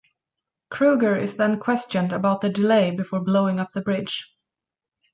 Kreuger is then questioned about the delay before blowing up the bridge.